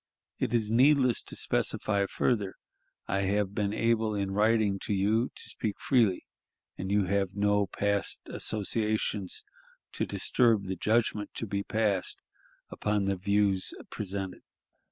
It is needless to specify further. I have been able in writing to you to speak freely, and you have no past associations to disturb the judgment to be passed upon the views presented.